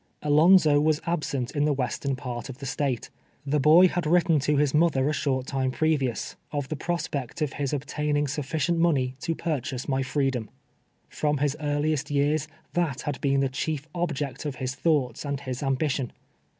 Alonzo was absent in the western part of the State. The boy had written to • his mother a short time previous, of th*e prospect of his obtaining sufficient money to pur chase my freedom. From his earliest years, that had been the chief object of his thoughts and his ambi tion.